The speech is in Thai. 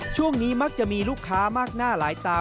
ช่วงนี้มักจะมีลูกค้ามากหน้าหลายตา